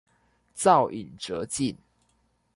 造飲輒盡